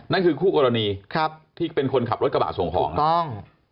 นั่นคือคู่กรณีที่เป็นคนขับรถกระบาดส่งห่อง